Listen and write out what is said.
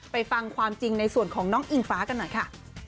ฟังความจริงในส่วนของน้องอิงฟ้ากันหน่อยค่ะ